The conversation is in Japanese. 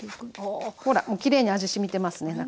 ほらもうきれいに味しみてますね